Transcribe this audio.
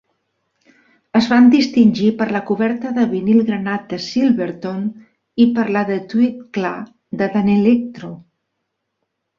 Es van distingir per la coberta de vinil granat de Silvertone i per la de tweed clar de Danelectro.